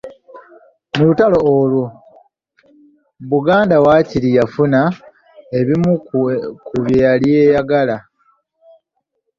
Mu lutuula olwo, Buganda waakiri yafuna ebimu ku bye yali eyagala.